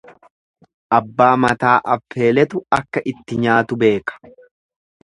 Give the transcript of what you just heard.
Abbaa mataa affeeletu akka itti nyaatu beeka.